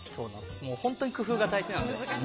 本当に工夫が大事なんです。